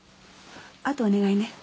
あとお願いね。